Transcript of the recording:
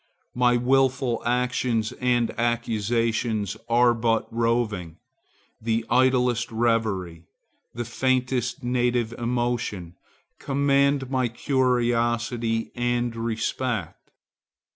My wilful actions and acquisitions are but roving;—the idlest reverie, the faintest native emotion, command my curiosity and respect.